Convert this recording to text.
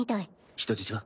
人質は？